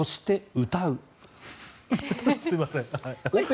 すいません。